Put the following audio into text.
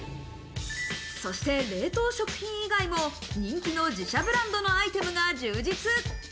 そして、冷凍食品以外も人気の自社ブランドのアイテムが充実。